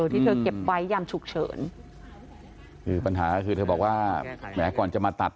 ที่เธอเก็บไว้ยามฉุกเฉินคือปัญหาก็คือเธอบอกว่าแหมก่อนจะมาตัด